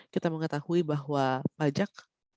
kita mengetahui bahwa pajak